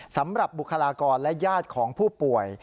สำหรับบุคลากรและญาติของผู้ป่วย